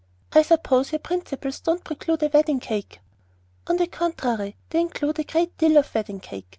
I suppose your principles don't preclude a wedding cake?" "On the contrary, they include a great deal of wedding cake.